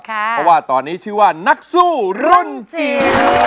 เพราะว่าตอนนี้ชื่อว่านักสู้รุ่นจิ๋ว